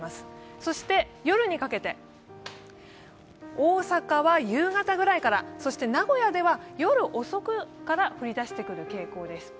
そして夜にかけて、大阪は夕方ぐらいから、そして名古屋では夜遅くから降り出してくる傾向です。